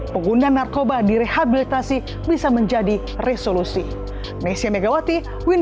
penggunaan narkoba di rehabilitasi bisa menjadi resolusi